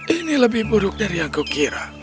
ini lebih buruk dari yang kukira